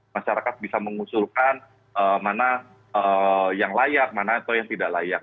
masyarakat bisa mengusulkan mana yang layak mana atau yang tidak layak